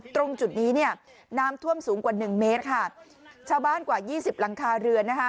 ตรงจุดนี้น้ำท่วมสูงกว่า๑เมตรชาวบ้านกว่า๒๐หลังคาเรือน